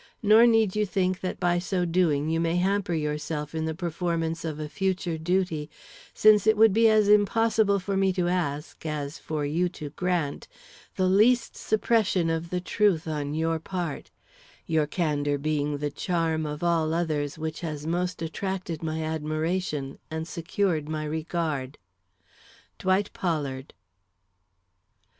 Nor need you think that by so doing you may hamper yourself in the performance of a future duty; since it would be as impossible for me to ask, as for you to grant, the least suppression of the truth on your part; your candor being the charm of all others which has most attracted my admiration and secured my regard. DWIGHT POLLARD.